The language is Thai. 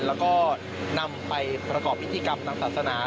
แล้วก็นำไปประกอบพิธีกรรมทางศาสนา